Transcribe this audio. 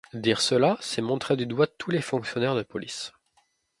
Dire cela, c'est montrer du doigt tous les fonctionnaires de police.